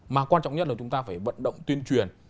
mà quan trọng nhất là chúng ta phải vận động tuyên truyền